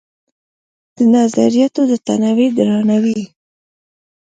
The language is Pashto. د نظریاتو د تنوع درناوی